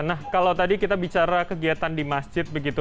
nah kalau tadi kita bicara kegiatan di masjid begitu